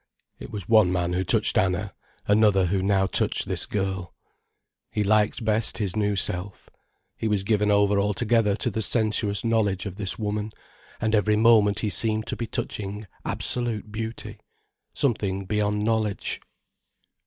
It was one man who touched Anna, another who now touched this girl. He liked best his new self. He was given over altogether to the sensuous knowledge of this woman, and every moment he seemed to be touching absolute beauty, something beyond knowledge.